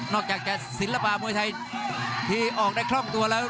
อกจากจะศิลปะมวยไทยที่ออกได้คล่องตัวแล้ว